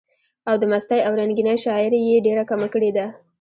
او د مستۍ او رنګينۍ شاعري ئې ډېره کمه کړي ده،